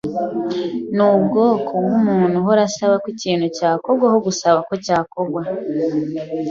nubwoko bwumuntu uhora asaba ko ikintu cyakorwa aho gusaba ko cyakorwa.